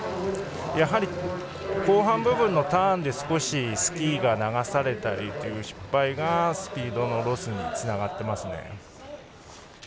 やはり後半部分のターンで少しスキーが流されたりという失敗がスピードのロスにつながっていますね。